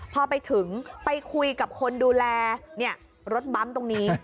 พอไปถึงไปคุยกับคนดูแลรถบั๊มตรงนี้